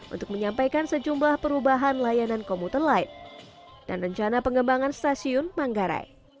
untuk menyampaikan sejumlah perubahan layanan komuter lain dan rencana pengembangan stasiun manggarai